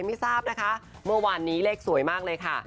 ไม่ทราบนะคะเมื่อวานนี้เลขสวยมากเลยค่ะ